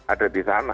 ada di sana